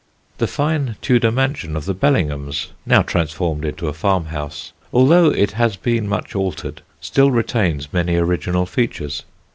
The fine Tudor mansion of the Bellinghams', now transformed into a farm house, although it has been much altered, still retains many original features.